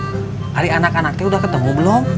tuh tadi anak anak teh udah ketemu blong